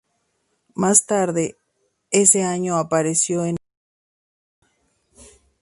Más tarde ese año, apareció en "Geography Club".